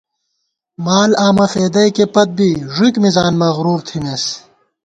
مال آمہ فېدَئیکےپت بی ݫُوئیک مِزان مغرور تھِمېس